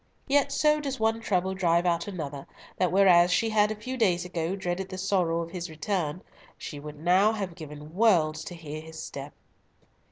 Yet, so does one trouble drive out another, that whereas she had a few days ago dreaded the sorrow of his return, she would now have given worlds to hear his step.